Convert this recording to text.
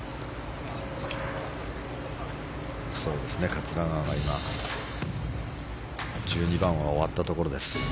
桂川は今、１２番が終わったところです。